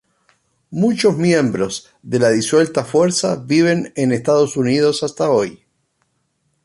Muchos miembros de la disuelta fuerza viven en Estados Unidos hasta hoy.